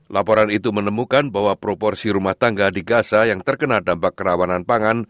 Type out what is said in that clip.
laporan itu menemukan bahwa proporsi rumah tangga di gaza yang terkena dampak kerawanan pangan